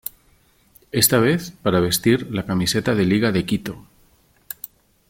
Esta vez para vestir la camiseta de Liga de Quito.